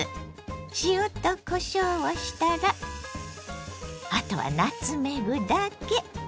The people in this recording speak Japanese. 塩とこしょうをしたらあとはナツメグだけ！